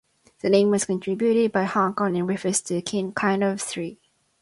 The name was contributed by Hong Kong and refers to a kind of tree.